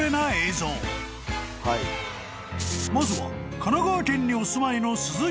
［まずは神奈川県にお住まいの］